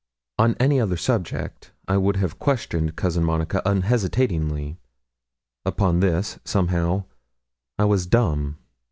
On any other subject I would have questioned Cousin Monica unhesitatingly; upon this, somehow, I was dumb.